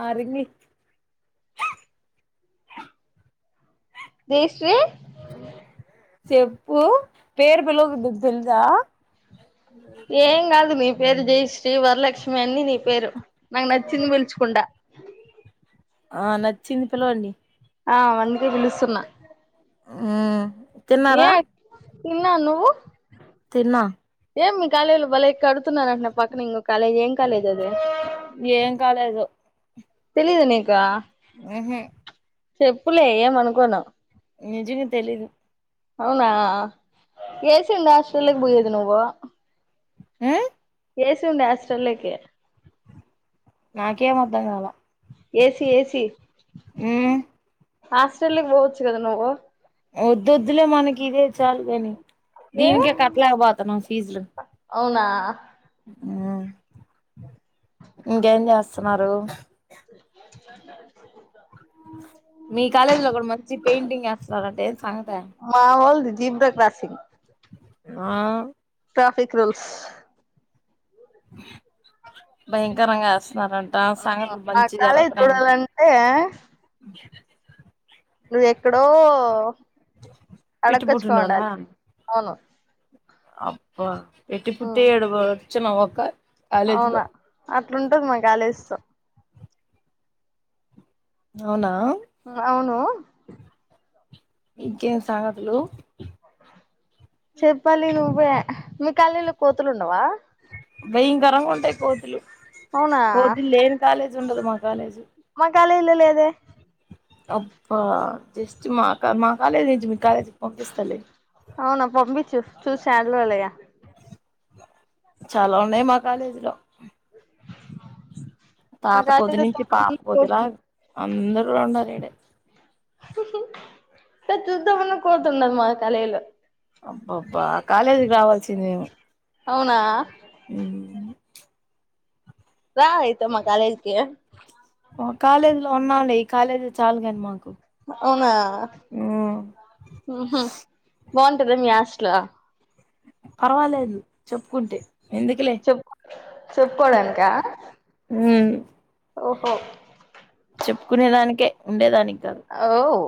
ఆ రింగ్ ఇయ్యి దేశ్ చీ చెప్పు పేరు బలగు [unintelligible] మీ ప్రెండ్ ఆ ఏం కాదు నీ పేరు జయశ్రీ వరలక్ష్మి అన్ని నీ పేరు నాకు నచ్చింది పిలుచుకుండా ఆ నచ్చింది పిలవండి ఆ అందుకే పిలుస్తున్నా ఆ ఏ తిన్నారా తిన్నా నువ్వు తిన్నా ఏం మీ కాలేజ్ లో బలే ఎ కడుతున్నారు అంటా నే పక్కన ఇం [unintelligible] కాలేజ్ ఏమ్ కాలేజ్ అది ఏం కాలేదు తెలీద నీకు ఉహు చెప్పులే ఏమానుకొను నిజంగా తెలీదు అవునా ఏసి ఉండె హాస్టల్లోకి పోయెది నువ్వు మ్మ్ ఏసి ఉండే హాస్టల్లో కి నాకేం అర్ధం కాల ఏసి ఏసి మ్మ్ ఆస్ట్రేలికి పోవచ్చు కదా నువ్వు వద్దొద్దులే మనకి ఇదే చాలు గని ఏ దీనికే కట్టలేకపోతున్నాం ఫీజులు అవునా ఇంకేం చేస్తున్నారు [inaudible] మీ కాలేజ్ లో కూడా మంచి పెయింటింగ్ ఏస్తన్నారంట ఏందీ సంగతీ మా వాళ్ళది జీబ్రా క్రాసింగ్ ఆ ట్రాఫిక్ రూల్స్ భయంకరంగాస్ స్తన్నారంట సంగతులు ఆ మంచి కాలేజ్ జరుగుతన్నాయంట [inaudible] చూడాలంటే నువ్వు ఎక్కడో పెట్టి పుట్టినోళ్ళా అడక్కచ్చుకోండాలి అవును అబ్బా పెట్టిపుట్టి ఉమ్ ఎడవ చ్చమవక అవునా అ అట్లుంటది మా కాలేజ్ తో అవునా అవును ఇంకేం సంగతులు చెప్పాలి నువ్ వ్వే మీ కాలేజ్ లో కోతులు ఉండవా భయంకరంగా ఉంటాయి కోతులు అవునా కోతులు లేని కాలేజ్ జ్ ఉండదు మా కాలేజ్ కాలేజ్ లో లేదే అబ్బా జస్ట్ మా మా కాలేజ్ నుంచి మీ కాలేజీకి పంపిస్తలే అవునా పంపించు చూసి చాలరోజులయా చాలా ఉన్నాయి మాకు కాలేజ్ లో మా తాత పొద్ది కాలేజీలో నుంచి పాప చూద్దామన్న కొదిలా కోతుంది అందరూ ఉండాల ఇడే చూద్దామన్నా కోతుండదు మా కలేజ్ లో అబ్బా అబ్బా కాలేజీకి రావాల్సిందివు అవునా మ్ రా అయితే మా కాలేజీకి కాలేజీ లో ఉన్నాలే ఈ కాలేజీ చాలు కానీ మాకు అవునా ఉమ్ మ్ హు బాగుంటద మీ ఆస్ట్లో పర్వాలేదు చెప్పుకుంటే ఎందుకులే చెప్ చెప్పుకోడానికా ఓహో చెప్పుకునే దానికే ఉండేదాని అఓ